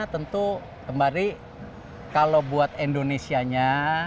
tentu kembali kalau buat indonesianya